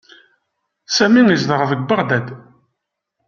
Sami yezdeɣ deg Beɣdad.